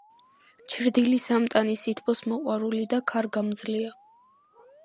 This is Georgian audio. ჩრდილის ამტანი, სითბოს მოყვარული და ქარგამძლეა.